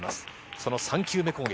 その３球目攻撃。